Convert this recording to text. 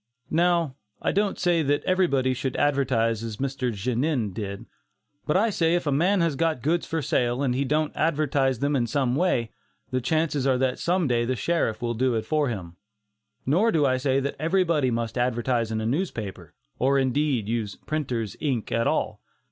Now, I don't say that everybody should advertise as Mr. Genin did. But I say if a man has got goods for sale, and he don't advertise them in some way, the chances are that some day the sheriff will do it for him. Nor do I say that everybody must advertise in a newspaper, or indeed use "printers' ink" at all.